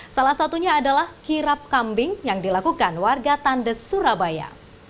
salah satunya adalah kirap kambing yang dilakukan warga tandes surabaya